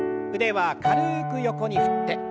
腕は軽く横に振って。